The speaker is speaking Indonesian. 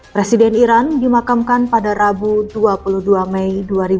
presiden iran dimakamkan pada rabu dua puluh dua mei dua ribu dua puluh